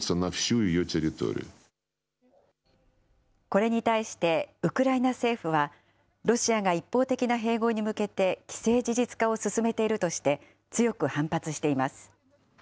これに対して、ウクライナ政府は、ロシアが一方的な併合に向けて既成事実化を進めているとして、強く反発しています。